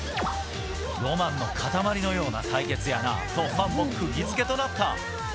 浪漫の塊のような対決やなとファンもくぎ付けとなった。